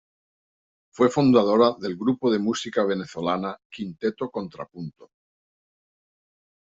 Fue fundadora del grupo de música venezolana Quinteto Contrapunto.